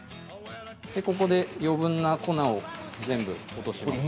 でここで余分な粉を全部落とします。